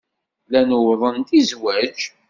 Llan uwḍen-d i zzwaj.